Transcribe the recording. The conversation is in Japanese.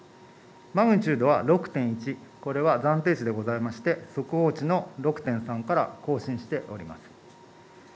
マグニチュードは６．１、これは暫定値でございまして、速報値の６．３から更新しております。